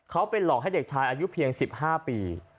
เขาไปหลอกให้เด็กชายอายุเพียง๑๕ปี